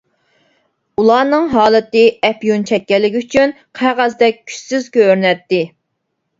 ئۇلارنىڭ ھالىتى ئەپيۈن چەككەنلىكى ئۈچۈن قەغەزدەك كۈچسىز كۆرۈنەتتى.